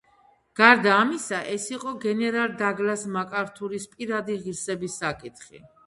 გარდა ამისა ეს იყო გენერალ დაგლას მაკართურის პირადი ღირსების საკითხი.